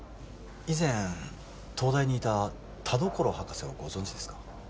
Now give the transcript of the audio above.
以前東大にいた田所博士をご存じですか？